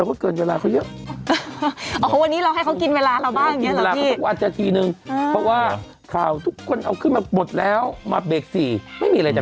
ก็เลยเดี๋ยวตอบลงว่าไม่มีนะคะ